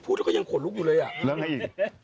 แล้วก็ยังขนลุกอยู่เลยอ่ะแล้วไง